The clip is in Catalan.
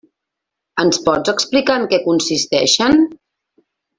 Ens pots explicar en què consisteixen?